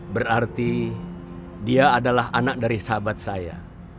berarti dia adalah anak dari sahabat saya